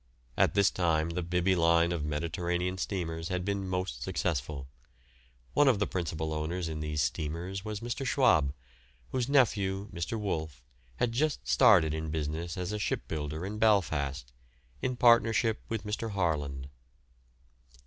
At this time the Bibby line of Mediterranean steamers had been most successful. One of the principal owners in these steamers was Mr. Schwabe, whose nephew, Mr. Wolff, had just started in business as a shipbuilder in Belfast, in partnership with Mr. Harland.